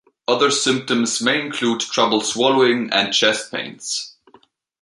Other symptoms may include trouble swallowing and chest pains.